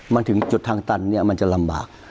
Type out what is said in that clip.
มันถึงจุดทางตันมันจะลำบาก